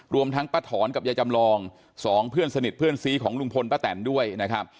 ทั้งป้าถอนกับยายจำลอง๒เพื่อนสนิทเพื่อนซีของลุงพลป้าแตนด้วยนะครับ